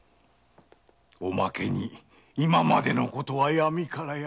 おまけに今までのことは闇から闇。